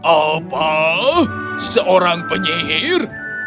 apa seorang penyihir